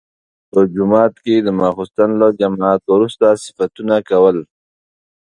په جومات کې د ماخستن له جماعت وروسته صفتونه کول.